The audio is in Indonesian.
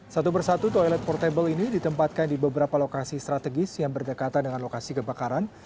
satu persatu toilet portable ini ditempatkan di beberapa lokasi strategis yang berdekatan dengan lokasi kebakaran